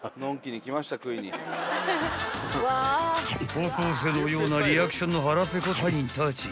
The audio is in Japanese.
［高校生のようなリアクションの腹ペコ隊員たち］